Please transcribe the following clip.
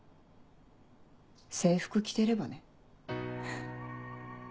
制服着てればね。